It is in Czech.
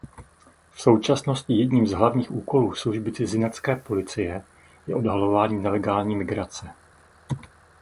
V současnosti jedním z hlavních úkolů služby cizinecké policie je odhalování nelegální migrace.